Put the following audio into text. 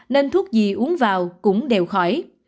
nên thuốc gì uống vào cũng đều khỏi